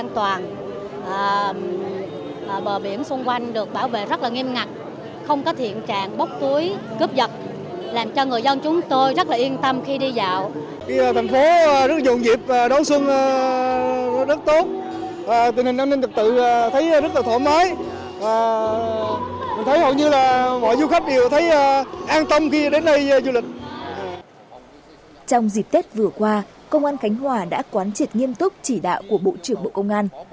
trong dịp tết vừa qua công an khánh hòa đã quán triệt nghiêm túc chỉ đạo của bộ trưởng bộ công an